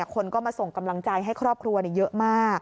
คนก็มาส่งกำลังใจให้ครอบครัวเยอะมาก